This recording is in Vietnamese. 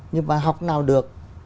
nhưng mà học nào được